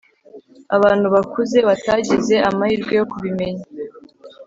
abantu bakuze batagize amahirwe yo kubimenya;